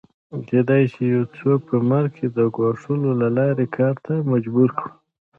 کېدای شي یو څوک په مرګ د ګواښلو له لارې کار ته مجبور کړو